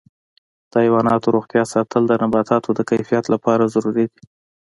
د حیواناتو روغتیا ساتل د لبنیاتو د کیفیت لپاره ضروري دي.